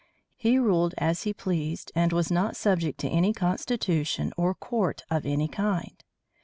He ruled as he pleased, and was not subject to any constitution or court of any kind.